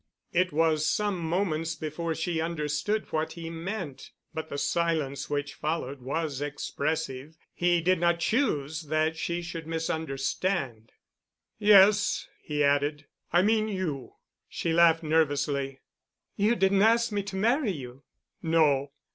It was some moments before she understood what he meant, but the silence which followed was expressive. He did not choose that she should misunderstand. "Yes," he added, "I mean you." She laughed nervously. "You didn't ask me to marry you?" "No.